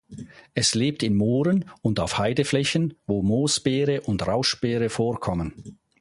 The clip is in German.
Es lebt in Mooren und auf Heideflächen, wo Moosbeere und Rauschbeere vorkommen.